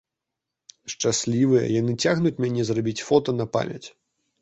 Шчаслівыя, яны цягнуць мяне зрабіць фота на памяць.